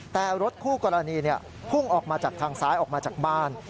แต่รถคู่กรณีพุ่งออกมาจากทางซ้ายออกมาจากบ้าน